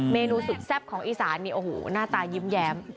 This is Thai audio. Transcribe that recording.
เมนูสุดแซ่บของอีสานนี่โอ้โหหน้าตายิ้มแย้ม